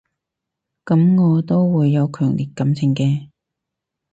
噉我都會有強烈感情嘅